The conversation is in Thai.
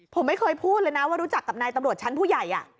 ผมไม่เคยพูดเลยนะว่ารู้จักกับนายตำรวจชั้นผู้ใหญ่